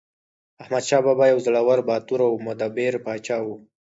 احمدشاه بابا یو زړور، باتور او مدبر پاچا و.